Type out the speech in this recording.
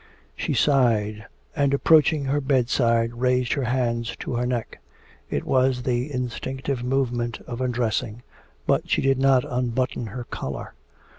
She sighed, and approaching her bedside, raised her hands to her neck. It was the instinctive movement of undressing. But she did not unbutton her collar.